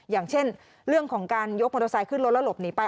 อย่างเช่นเรื่องของการยกมอเตอร์ไซค์ขึ้นรถแล้วหลบหนีไป